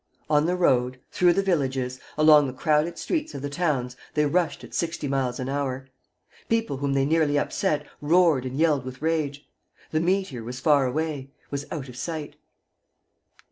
On the road, through the villages, along the crowded streets of the towns they rushed at sixty miles an hour. People whom they nearly upset roared and yelled with rage: the meteor was far away, was out of sight.